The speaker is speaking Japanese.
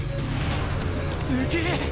すげえ！